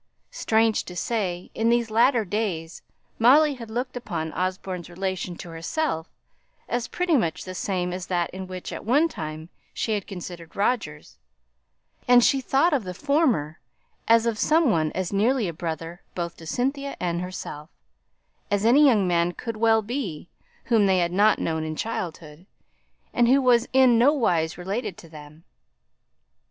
Strange to say, in these latter days Molly had looked upon Osborne's relation to herself as pretty much the same as that in which at one time she had regarded Roger's; and she thought of the former as of some one as nearly a brother both to Cynthia and herself, as any young man could well be, whom they had not known in childhood, and who was in nowise related to them.